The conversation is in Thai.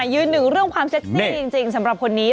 ยืนหนึ่งเรื่องความเซ็กซี่จริงสำหรับคนนี้